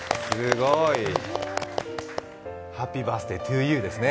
ハッピーバースデー・トゥー・ユーですね。